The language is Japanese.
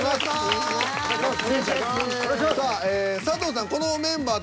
佐藤さん